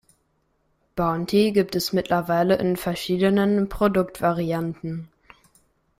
Bounty gibt es mittlerweile in verschiedenen Produktvarianten.